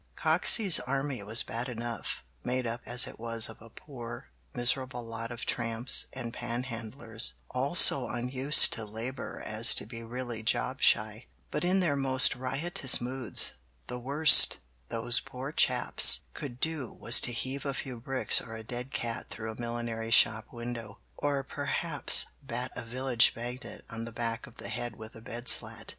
Coxey's Army was bad enough, made up as it was of a poor, miserable lot of tramps and panhandlers, all so unused to labor as to be really jobshy; but in their most riotous moods the worst those poor chaps could do was to heave a few bricks or a dead cat through a millinery shop window, or perhaps bat a village magnate on the back of the head with a bed slat.